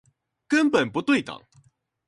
根本不對等